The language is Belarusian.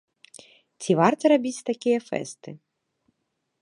Ці варта рабіць такія фэсты?